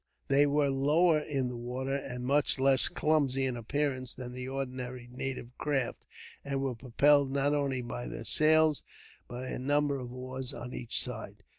They were lower in the water, and much less clumsy in appearance than the ordinary native craft, and were propelled not only by their sails, but by a number of oars on each side.